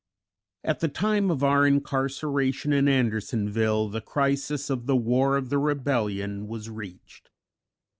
At the time of our incarceration in Andersonville, the crisis of the war of the rebellion was reached.